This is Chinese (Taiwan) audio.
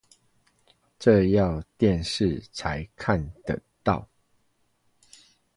這要電視才看得到